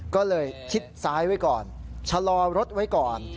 ก็เลยชิดซ้ายไว้ก่อนชะลอรถไว้ก่อน